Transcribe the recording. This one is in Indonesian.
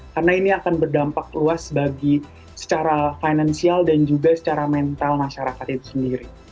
karena ini akan berdampak luas bagi secara finansial dan juga secara mental masyarakat itu sendiri